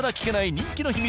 人気の秘密